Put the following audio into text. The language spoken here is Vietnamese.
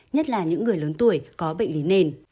nhất là những người lớn tuổi có bệnh lý nền